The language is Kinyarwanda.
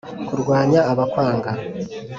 kurwanya abakwanga